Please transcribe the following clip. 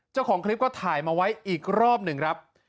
เจ้าของคลิปก็ถ่ายมาไว้อีกรอบหนึ่งครับ